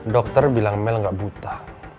dokter bilang mel gak buta